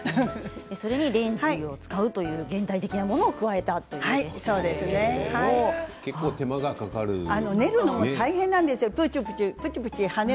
それにレンジを使うという現代的なものを結構、手間がかかりますよね。